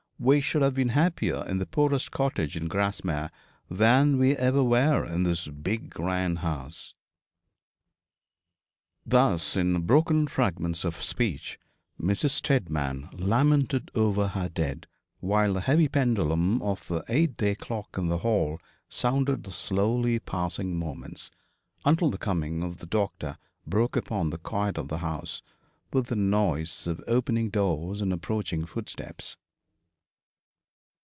We should have been happier in the poorest cottage in Grasmere than we ever were in this big grand house.' Thus, in broken fragments of speech, Mrs. Steadman lamented over her dead, while the heavy pendulum of the eight day clock in the hall sounded the slowly passing moments, until the coming of the doctor broke upon the quiet of the house, with the noise of opening doors and approaching footsteps.